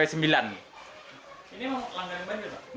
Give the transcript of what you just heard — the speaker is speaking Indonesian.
ini langganan banjir